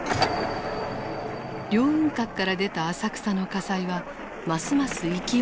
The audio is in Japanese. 凌雲閣から出た浅草の火災はますます勢いを強めていた。